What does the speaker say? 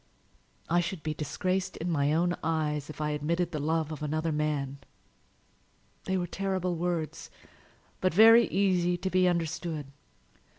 "I should be disgraced in my own eyes if I admitted the love of another man!" They were terrible words, but very easy to be understood.